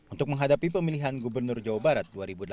untuk menghadapi pemilihan gubernur jawa barat dua ribu delapan belas